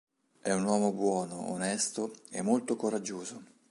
È un uomo buono, onesto e molto coraggioso.